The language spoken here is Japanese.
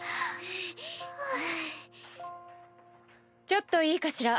・ちょっといいかしら？